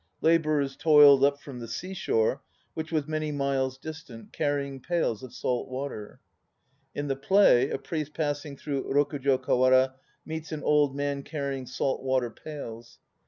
Labourers toiled up from the sea shore, which was many miles distant, carrying pails of salt water. In the play a priest passing through Rokujo kawara meets an old man carrying salt water pails.